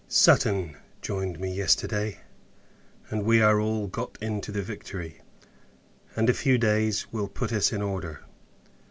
Sutton joined me yesterday, and we are all got into the Victory; and, a few days will put us in order.